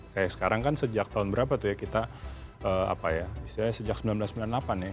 kayak sekarang kan sejak tahun berapa tuh ya kita apa ya istilahnya sejak seribu sembilan ratus sembilan puluh delapan ya